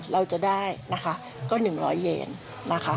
เราจะได้ก็๑๐๐เยน